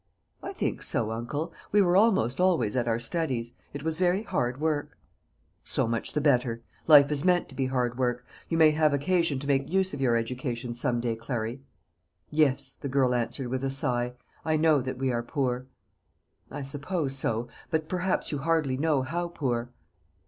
"I think so, uncle. We were almost always at our studies. It was very hard work." "So much the better. Life is meant to be hard work. You may have occasion to make use of your education some day, Clary." "Yes," the girl answered with a sigh; "I know that we are poor." "I suppose so; but perhaps you hardly know how poor."